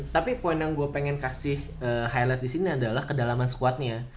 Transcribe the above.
tapi poin yang gue pengen kasih highlight di sini adalah kedalaman squadnya